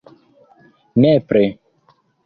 Nepre!